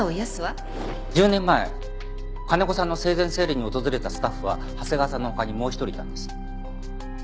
１０年前金子さんの生前整理に訪れたスタッフは長谷川さんの他にもう一人いたんですね。